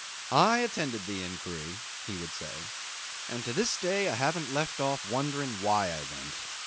I attended the inquiry,' he would say, 'and to this day I haven't left off wondering why I went.